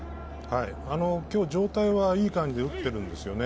今日、状態はいい感じで打っているんですよね。